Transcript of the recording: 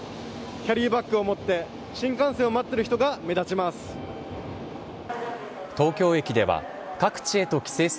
キャリーバッグを持って新幹線を待っている人が目立ちます。